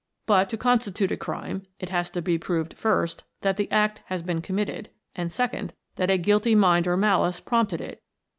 "But to constitute a crime, it has to be proved first, that the act has been committed, and second, that a guilty mind or malice prompted it.